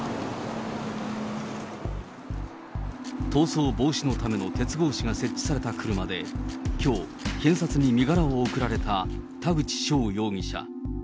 逃走防止のための鉄格子が設置された車で、きょう、検察に身柄を送られた田口翔容疑者。